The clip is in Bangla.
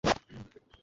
ওরা তত বোকা নয়।